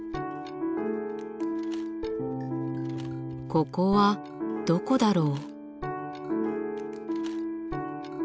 ここはどこだろう？